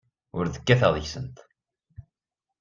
Ur d-kkateɣ deg-sent.